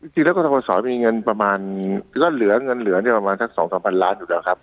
จริงแล้วกาสมีเงินประมาณอืมก็เหลือเงินเหลือนี้ประมาณสัก๒๐๐๐ล้านอ่ะครับ